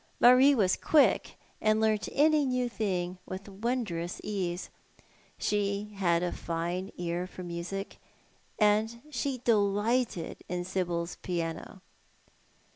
Marie was quick, and learnt any new thing with wondrous ease. She had a fine ear for music, and delighted in Sibyl's piano.